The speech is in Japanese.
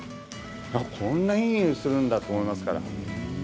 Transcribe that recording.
こんなに、いいにおいするんだと思いますから。